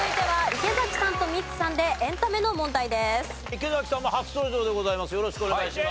池さんも初登場でございます。